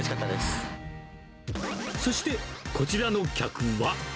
そして、こちらの客は。